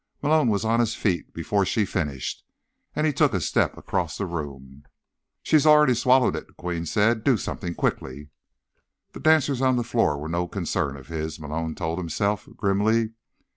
Malone was on his feet before she'd finished, and he took a step across the room. "She's already swallowed it!" the Queen said. "Do something! Quickly!" The dancers on the floor were no concern of his, Malone told himself grimly.